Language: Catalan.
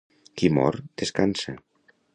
Qui mor, descansa.